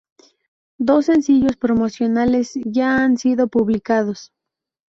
Dos sencillos promocionales ya han sido publicados.